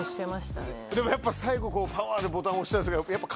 でもやっぱ最後このパワーでボタン押したやつが。